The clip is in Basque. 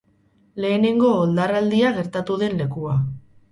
Lehenengo oldarraldia gertatu den lekua.